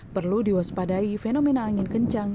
perlu diwaspadai fenomena angin kencang